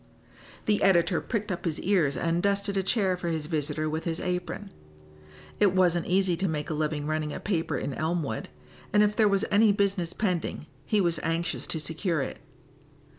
The editor pricked up his ears and dusted a chair for his visitor with his apron. It wasn't easy to make a living running a paper in Elmwood, and if there was any business pending he was anxious to secure it.